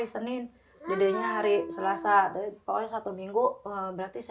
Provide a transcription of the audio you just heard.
sampai sekarang masih rutin tidak terapinya